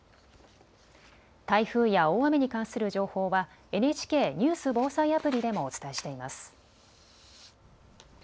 台風や大雨に関する情報はＮＨＫニュース・防災アプリでもお伝えしています。